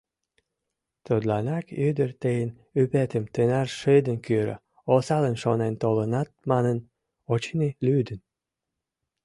Тудланак ӱдыр тыйын ӱпетым тынар шыдын кӱрӧ — осалым шонен толынат манын, очыни, лӱдын.